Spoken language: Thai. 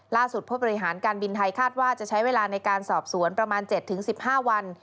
ผู้บริหารการบินไทยคาดว่าจะใช้เวลาในการสอบสวนประมาณ๗๑๕วัน